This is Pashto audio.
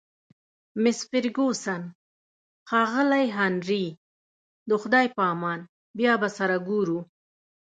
مس فرګوسن: ښاغلی هنري، د خدای په امان، بیا به سره ګورو.